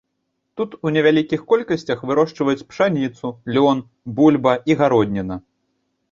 Тут у невялікіх колькасцях вырошчваюць пшаніцу, лён, бульба і гародніна.